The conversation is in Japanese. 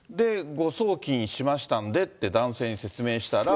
誤送金しましたんでって、男性に説明したら。